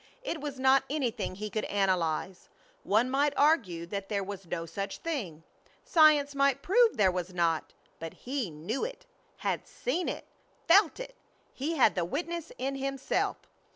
It was not anything he could analyze. One might argue that there was no such thing, science might prove there was not, but he knew it, had seen it, felt it! He had the witness in himself.